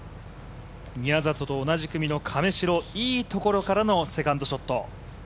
宮里と同じ組の亀代いいところからのセカンドショット。